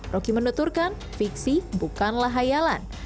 roky menuturkan fiksi bukanlah hayalan